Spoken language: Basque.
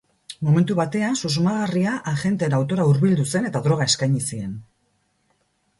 Momentu batean, susmagarria agenteen autora hurbildu zen eta droga eskaini zien.